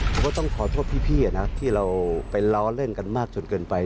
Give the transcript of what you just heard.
ผมก็ต้องขอโทษพี่นะที่เราไปล้อเล่นกันมากจนเกินไป